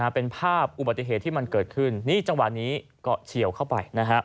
เป็นภาพอุบัติเหตุที่มันเกิดขึ้นนี่จังหวะนี้ก็เฉียวเข้าไป